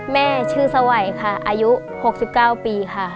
แม่ชื่อสวัยค่ะอายุ๖๙ปีค่ะ